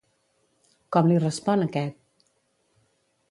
Com li respon aquest?